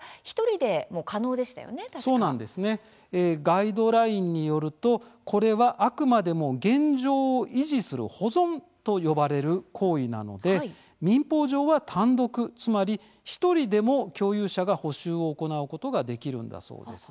ガイドラインによるとこれはあくまでも現状を維持する保存と呼ばれる行為なので民法上は単独つまり１人でも共有者が補修を行うことができるんだそうです。